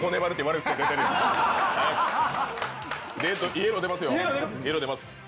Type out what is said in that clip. イエロー出ますよ。